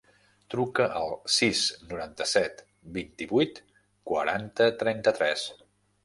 Truca al sis, noranta-set, vint-i-vuit, quaranta, trenta-tres.